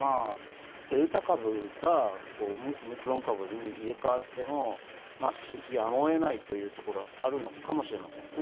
デルタ株がオミクロン株に入れ替わっても、やむを得ないというところはあるのかもしれませんね。